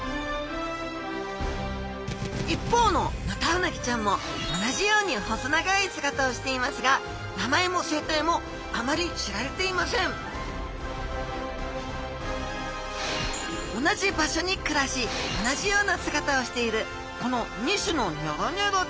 一方のヌタウナギちゃんも同じように細長い姿をしていますが名前も生態もあまり知られていません同じ場所に暮らし同じような姿をしているこの２種のニョロニョロちゃん。